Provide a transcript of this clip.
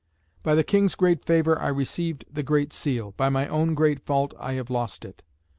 "By the King's great favour I received the Great Seal; by my own great fault I have lost it."